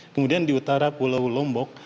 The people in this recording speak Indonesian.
kemudian di utara pulau lombok